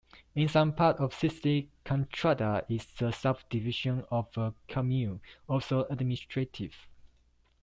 In some parts of Sicily "contrada" is a subdivision of a Comune, also administrative.